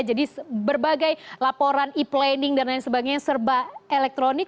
jadi berbagai laporan e planning dan lain sebagainya serba elektronik